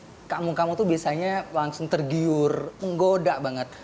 karena kamu kamu tuh biasanya langsung tergiur menggoda banget